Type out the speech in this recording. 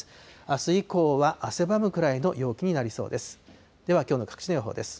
あす以降は、汗ばむくらいの陽気になりそうです。